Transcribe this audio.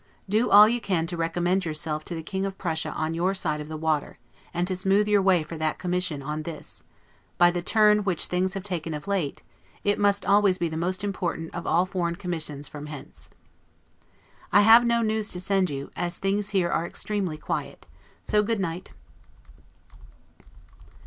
Do all you can to recommend yourself to the King of Prussia on your side of the water, and to smooth your way for that commission on this; by the turn which things have taken of late, it must always be the most important of all foreign commissions from hence. I have no news to send you, as things here are extremely quiet; so, good night.